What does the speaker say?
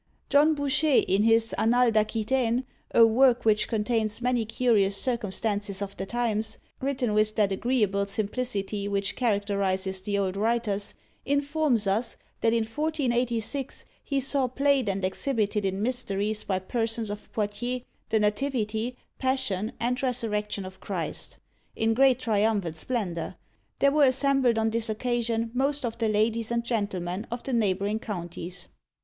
John Bouchet, in his "Annales d'Aquitaine," a work which contains many curious circumstances of the times, written with that agreeable simplicity which characterises the old writers, informs us, that in 1486 he saw played and exhibited in Mysteries by persons of Poitiers, "The Nativity, Passion, and Resurrection of Christ," in great triumph and splendour; there were assembled on this occasion most of the ladies and gentlemen of the neighbouring counties.